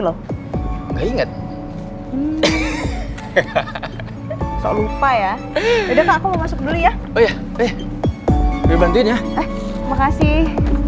loh nggak inget lupa ya udah aku mau masuk dulu ya oh ya deh dibantuin ya makasih